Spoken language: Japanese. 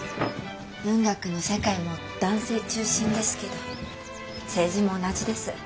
文学の世界も男性中心ですけど政治も同じです。